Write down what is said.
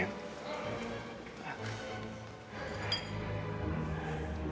dan aku tepelin